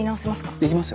できますよ。